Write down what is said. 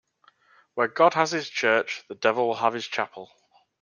Where God has his church, the devil will have his chapel.